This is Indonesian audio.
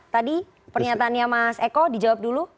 tadi pernyataannya mas eko dijawab dulu